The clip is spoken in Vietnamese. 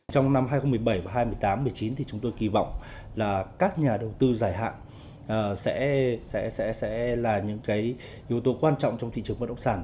trong năm hai nghìn một mươi bảy hai nghìn một mươi tám hai nghìn một mươi chín thì chúng tôi kỳ vọng là các nhà đầu tư dài hạn sẽ là những yếu tố quan trọng trong thị trường bất động sản